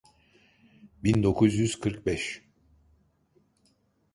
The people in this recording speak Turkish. Bin dokuz yüz kırk beş.